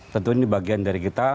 tentu ini bagian dari kita